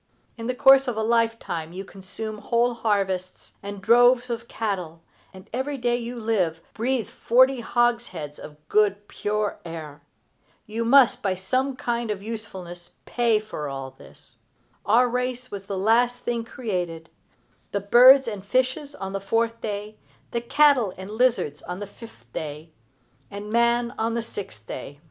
In the course of a lifetime you consume whole harvests, and droves of cattle, and every day you live breathe forty hogsheads of good pure air. You must, by some kind of usefulness, pay for all this. Our race was the last thing created, the birds and fishes on the fourth day, the cattle and lizards on the fifth day, and man on the sixth day.